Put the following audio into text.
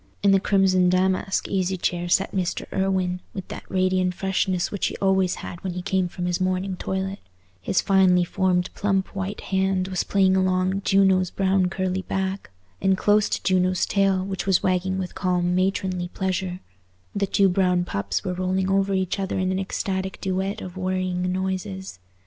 In the crimson damask easy chair sat Mr. Irwine, with that radiant freshness which he always had when he came from his morning toilet; his finely formed plump white hand was playing along Juno's brown curly back; and close to Juno's tail, which was wagging with calm matronly pleasure, the two brown pups were rolling over each other in an ecstatic duet of worrying noises.